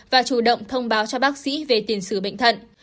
và chủ động thông báo cho bác sĩ về tiền xử bệnh thận